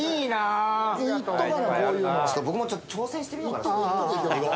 僕もちょっと挑戦してみようかな。